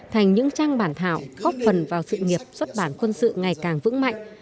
thành những trang bản thảo góp phần vào sự nghiệp xuất bản quân sự ngày càng vững mạnh